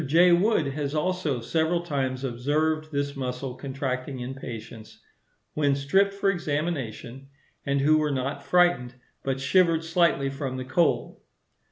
J. Wood has also several times observed this muscle contracting in patients, when stripped for examination, and who were not frightened, but shivered slightly from the cold.